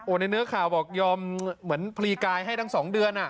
ในเนื้อข่าวบอกยอมเหมือนพลีกายให้ทั้งสองเดือน